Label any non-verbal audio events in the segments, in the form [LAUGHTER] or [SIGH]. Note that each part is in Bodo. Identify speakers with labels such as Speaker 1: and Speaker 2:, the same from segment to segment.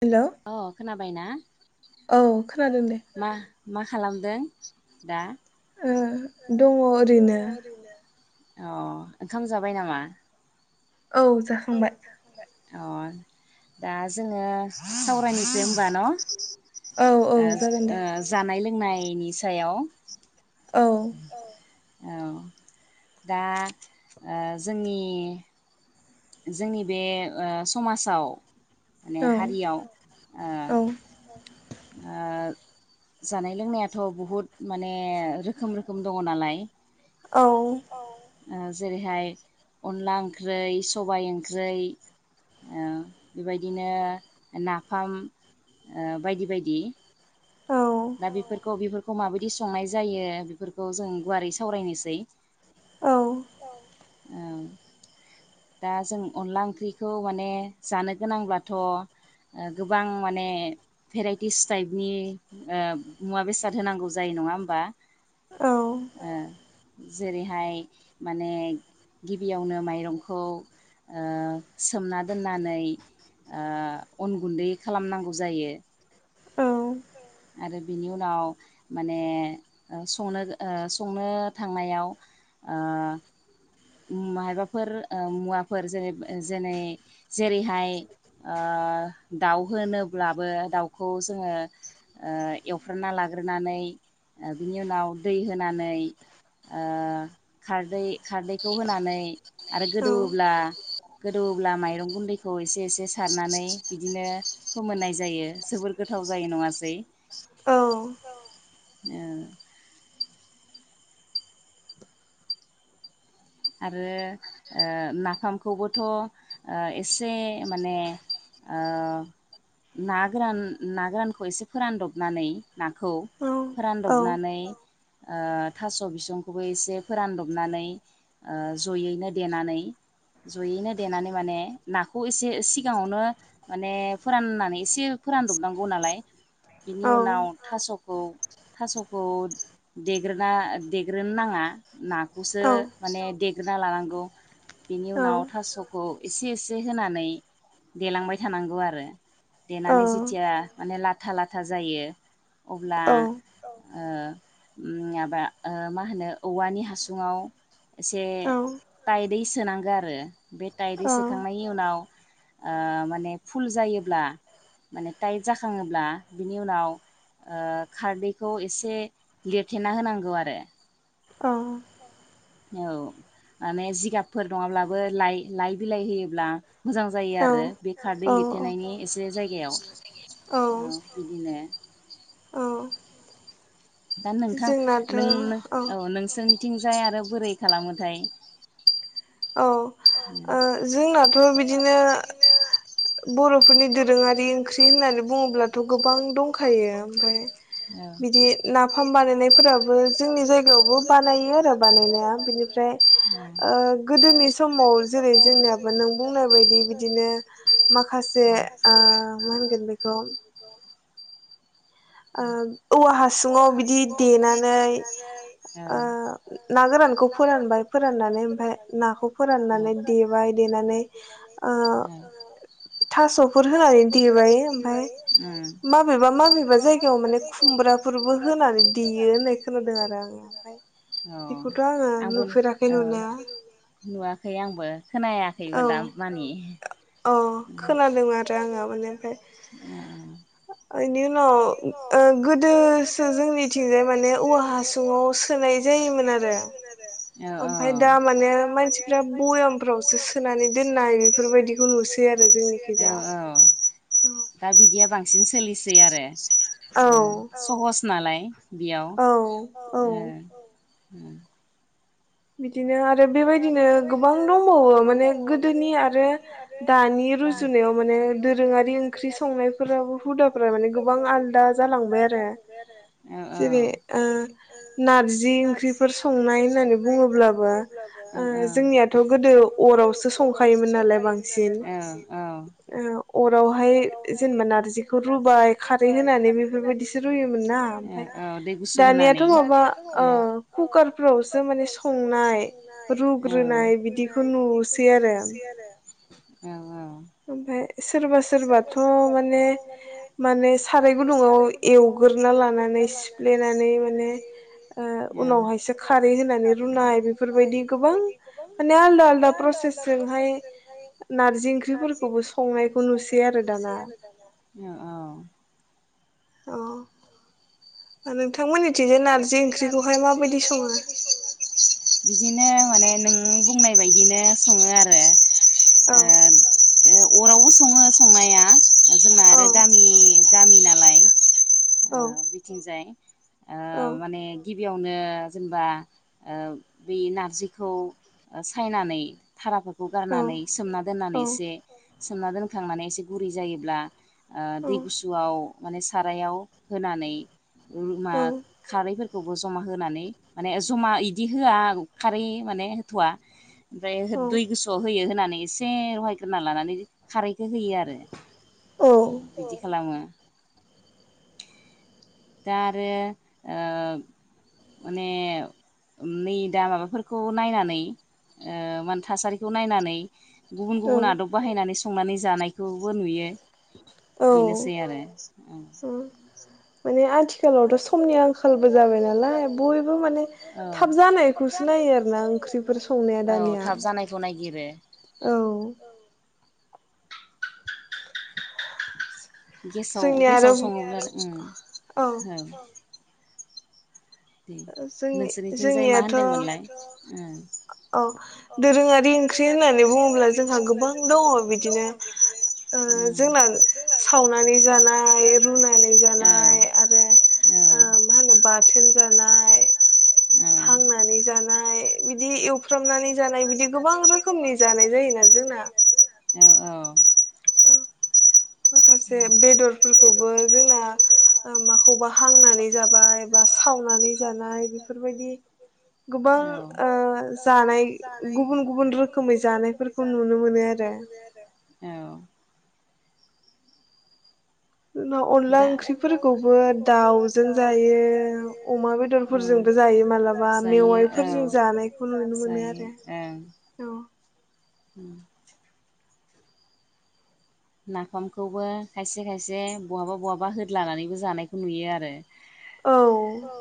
Speaker 1: हेल' औ खोनादों दे
Speaker 2: मा
Speaker 1: ओ दङ ओरैनो
Speaker 2: अ ओंखाम जाबाय नामा?
Speaker 1: औ जाखांबाय।
Speaker 2: अ दा जोङो सावरायनिसै होमबा न ओ ओ जानाय लों बुंनायनि सायाव
Speaker 1: औ
Speaker 2: औ दा ओ जोंनि जोंनि बे ओ समाजाव माने हारियाव ओ ओ जानाय लोंनायाथ' बहुद माने रोखोम रोखोम दङ नालाय
Speaker 1: औ
Speaker 2: ओ जेरैहाय अनला ओंख्रै सबाइ ओंख्रै ओ बेबायदिनो नाफाम ओ बायदि बायदि दा बेफोरखौ बेफोर खौ माबायदि संनाय जायो बेफोर खौ जों गुवारै सावरायनोसै दा जों अनला ओंख्रिखौ माने जानो गोनांब्लाथ' ओ गोबां माने भेराइटिस टाइपनि ओ मुवा बेसाद होनांगौ जायो नङा होमबा ओ जेरैहाय माने गिबियावनो माइरं खौ ओ सोमना दोननानै ओ अन गुन्दै खालामनांगौ जायो
Speaker 1: औ
Speaker 2: आरो बिनि उनाव माने ओ संनो ओ संनो थांनायाव ओ माहायबाफोर ओ मुवा फोर जेरै जेनै जेरैहाय ओ दाउ होनोब्लाबो दाउखौ जोङो ओ एवफ्रामना लाग्रोनानै बिनि उनाव दै होनानै ओ खारदै खारदैखौ होनानै [UNINTELLIGIBLE] आरो गोदौवोब्ला गोदौवोब्ला माइरं गुन्दैखौ एसे एसे सारनानै बिदिनो फोमोननाय जायो जोबोर गोथाव जायो नङासै
Speaker 1: औ
Speaker 2: ए आरो ओ नाफामखौबोथ' ओ एसे माने ना गोरान ना गोरानखौ एसे फोरानदबनानै नाखौ फोरानदबनानै थास' बिसंखौबो एसे फोरानदबनानै ओ जयैनो देनानै जयैनो देनानै माने नाखौ एसे सिगाङावनो माने फोराननानै एसे फोरानदबनांगौ नालाय बिनि उनाव थास'खौ थास'खौ देग्रोना देग्रोनो नाङा नाखौसो माने देग्रोना लानांगौ बेनि उनाव थास'खौ एसे एसे होनानै देलांबाय थानांगौ आरो देनानै जेथिया माने लाथा लाथा जायो अब्ला माबा मा होनो औवानि हासुङाव एसे टाइदै सोनांगो आरो बे टाइटै सोखांनायनि उनाव ओ माने फुल जायोब्ला माने टाइट जाखाङोब्ला बिनि उनाव ओ खारदैखौ एसे लिरथेना होनांगौ आरो
Speaker 1: औ
Speaker 2: औ माने जिगाबफोर नङाब्लाबो लाइ लाइ बिलाइ होयोब्ला मोजां जायो आरो बे खारदै लिरथेनायनि एसे जायगायाव औ बिदिनो
Speaker 1: औ
Speaker 2: दा नोंथां नों नो औ नोंसोरनिथिं जाय आरो बोरै खालामोथाय
Speaker 1: औ ओ जों नाथ बिदिनो बर'फोरनि दोरोङारि ओंख्रि होननानै बुङोब्लाथ गोबां दंखायो ओमफ्राय बिदि नाफाम बानायनायफोराबो जोंनि जायगायावबो बानायो आरो बानायनाया बिनिफ्राय गोदोनि समाव जेरै जोंनियाबो नों बुंनाय बायदि बिदिनो माखासे जे आ मा होनगोन बेखौ ओ औवा हासुङाव बिदि देनानै ओ ना गोरानखौ फोरानबाय फोराननानै ओमफ्राय नाखौ फोराननानै देबाय देनानै ओ थासफोर‌ होनानै देबाय ओमफ्राय माबेबा माबेबा जाय माने खुमब्राफोरबो होनानै देयो होननाय खोनादों आरो आङो ओमफ्राय बेखौथ आङो नुफेराखै नुनाया
Speaker 2: [UNINTELLIGIBLE] खोनायाखैबो दामानि औ खोनादों आरो आङो [UNINTELLIGIBLE]
Speaker 1: इनि उनाव गोदोसो जोंनिथिंजाय माने औवा हासुङाव सोनाय जायोमोन आरो ओमफ्राय दा माने मानसिफ्रा भयामफ्रावसो सोनानै दोननाय औ बेफोरबायदिखौ नुसै आरो जोंनिखिजा औ
Speaker 2: औ सहस नालाय
Speaker 1: औ औ
Speaker 2: हम
Speaker 1: बिदिनो आरो बेबायदिनो गोबां दंबावो माने गोदोनि आरो दानि रुजुनायाव माने दोरोङारि ओंख्रि संनायफोराबो हुदाफोरा माने गोबां आलदा जालांबाय आरो जेरै ओ नारजि जि ओंख्रिफोर संनाय होननानै बुङोब्लाबो ओ जोंनियाथ गोदो अरावसो संखायोमोन नालाय बांसिन अरावहाय जेनेबा नारजिखौ रुबाय खारै होनानै बेफोरबायदिसो रुयोमोन ना ओमफ्राय दानियाथ माबा ओ कुकारफोरावसो माने
Speaker 2: माने संनाय रुनाग्रोनाय बिदिखौ नुनोसै आरो औ औ
Speaker 1: ओमफ्राय सोरबा सोरबाथ माने माने साराय गुदुङाव एवग्रोना लानानै सिफ्लेनानै माने ओ उनावहायसो खारै होनानै रुनाय बेफोरबायदि गोबां माने आलदा आलदा प्रसेसजोंहाय नार्जि ओंख्रिफोर
Speaker 2: बो संनायखौ नुसै आरो दाना। औ औ
Speaker 1: औ
Speaker 2: नोंथांमोननिथिजों नारजि ओंख्रिखौहाय माबायदि सङो? बिदिनो माने नों बुंनाय बायदिनो सङो आरो [UNINTELLIGIBLE] ओ अरावबो सङो संनाया। जोंना आरो गामि गामि नालाय। बिथिंजाय माने गिबियावनो जेनेबा बे नारजिखौ सायनानै थाराफोर खौ गारनानै सोमना दोननानै एसे सोमना दोन। खांनानै एसे गुरै जायोब्ला ओ दै गुसुआव माने सारायाव होनानै खारैफोरखौबो जमा होनानै माने जमा बिदि होआ खारै माने होथ'आ ओमफ्राय दै गोसुवाव होयो होनानै एसे रहायग्रोना लानानै खारैखौ होयो आरो बिदि खालामो दा आरो माने नै दा माबाफोरखौ नायनानै मा होनो थासारिखौ नायनानै गुबुन गुबुन आदब बाहायनानै संनानै जानायखौबो नुयो बेनोसै आरो
Speaker 1: माने आथि खालावथ' समनि आंखालबो जाबाय नालाय बयबो माने थाब जानायखौसो नायो आरोना ओंख्रिफोर संनाया दानिया औ
Speaker 2: गेसाव गेसाव सङोब्ला औ [UNINTELLIGIBLE] दे नोंसोरनिथिंजाय मा होनदोंमोनलाय ओं
Speaker 1: औ दोरोङारि ओंख्रि होननानै बुङोब्ला जोंहा गोबां दङ बिदिनो जोंना सावनानै जानाय रुनानै जानाय आरो मा होनो बाथोन जानाय हांनानै जाना नाय बिदि एव फ्रामनानै जानाय बिदि गोबां रोखोमनि जानाय जायोना जोंना
Speaker 2: औ औ
Speaker 1: माखासे बेदरफोरखौबो जोंना माखौबा हांनानै जाबाय बा सावनानै जानाय बेफोरबायदि गोबां ओ जानाय गुबुन गुबुन रोखोमै जानायफोरखौ नुनो मोनो आरो। जोंनाव अनला ओंख्रिफोरखौबो दाउजों जायो। अमा बेदरफोरजोंबो जायो मालाबा मेवाइफोरजों जानायखौ नुनो मोनो आरो औ।
Speaker 2: [UNINTELLIGIBLE] नाफामखौबो खायसे खायसे बहाबा बहाबा होद लानानैबो जानायखौ नुयो आरो। औ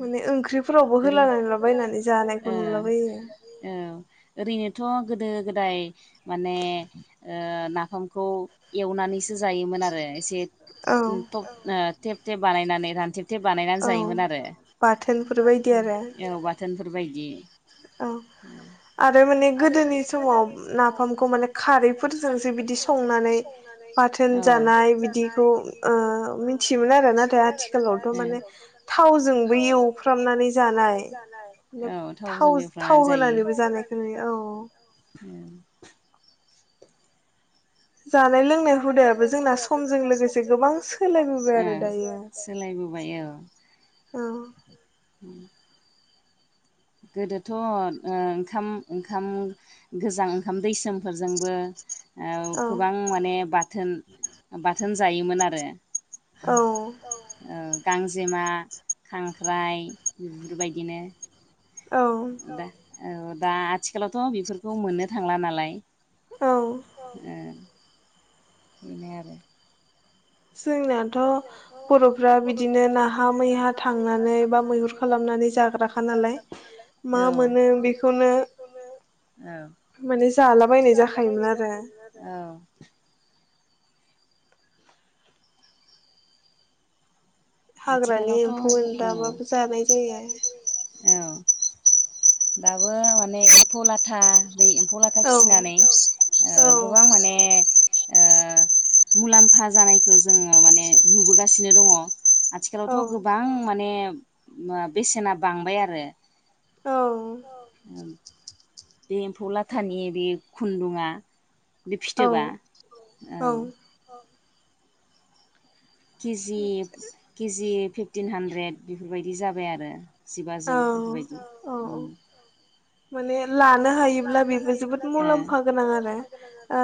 Speaker 1: माने ओंख्रिफोरावबो होला लाबायनानै जानायखौ नुलाबायो।
Speaker 2: थ गोदो गोदाय माने ओ ना फामखौ एवनानैसो जायोमोन आरो। एसेे थख थेप बानायनानै रानथेब बानायनानै जायोमोन आरो।
Speaker 1: बाथोनफोर बायदि आरो
Speaker 2: बाथोनफोर बायदि
Speaker 1: औ आरो
Speaker 2: आरो माने गोदोनि समाव नाफामखौ माने खारैफोरजोंसो बिदि संनानै बाथोन जानाय बिदिखौ मिथियोमोन आरो नाथाय आथिखालावथ माने थावजोंबो एवफ्रामनानै जानाय थावजों
Speaker 1: थाव होनानैबो जानायखो नुयो।
Speaker 2: उम
Speaker 1: जानाय लोंनाय हुदायाबो जोंना समजों लोगोसे गोबां सोलायबोबाय आरो दायो औ।
Speaker 2: उम गोदोथ ओंखाम ओंखाम गोजां ओंखाम दैसोमफोरजोंबो ओ गोबां माने बाथोन बाथोन जायोमोन आरो। औ गांजेमा खांख्राइ बिफोरबायदिनो।
Speaker 1: औ
Speaker 2: औ दा आथिखालावथ बेफोरखौ मोननो थांला नालाय। उम बिनो आरो
Speaker 1: जोंनायाथ बर'फ्रा बिदिनो नाहा मैहा थांनानै बा मैहुर खालामनानै जाग्राखा नालाय मा मोनो बेखौनो माने जालाबायनाय जाखायोमोन आरो।
Speaker 2: आथिखालावथ' औ औ दाबो माने एम्फौ लाथा बै एम्फौ लाथा फिसिनानै ओ गोबां माने ओ मुलाम्फा जानायखौ जोङो माने नुबोगासिनो दङ आथिखालावथ' गोबां माने मा बेसेना बांबाय आरो।
Speaker 1: औ
Speaker 2: ओम बे एम्फौ लाथानि बे खुन्दुआ बे फिथोबा औ किजि किजि फिफटिन हानद्रेद बेफोरबायदि जाबाय आरो। जिबाजौ बेफोरबायदि उम [INAUDIBLE] हायोब्ला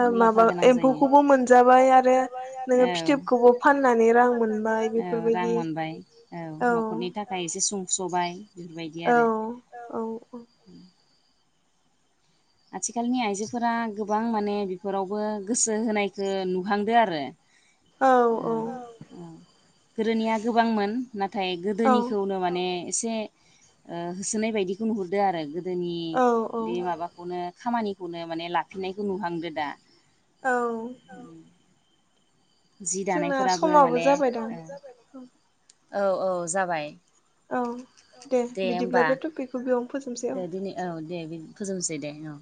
Speaker 2: मुलामफा गोनां जायो एम्फौखौ मोनजाबाय आरो औ औ रां मोनबाय औ न'खरनि थाखाय एसे सबाय बेफोरबायदि आरो। आथिखालनि आइजोफोरा गोबां माने बेफोरावबो गोसो होनायखो नुहांदो आरो।
Speaker 1: औ औ
Speaker 2: गोदोनिया गोबांमोन। नाथाय गोदोनिखौनो माने एसे ओ होसोनाय बायदिखौ नुहरदो आरो गो दोनि बे माबा ओ खामानिखौनो माने लाफिननायखौ नुहांदो दा।
Speaker 1: औ
Speaker 2: जि दानायफोराबो माने ओ औ औ जाबाय।
Speaker 1: औ दे बिदिब्ला बे टपिकखौ बेयावनो फोजोबनोसै औ।
Speaker 2: दे बि फोजोबसै दे औ।